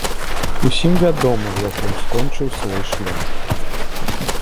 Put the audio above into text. Усім вядома, як ён скончыў свой шлях.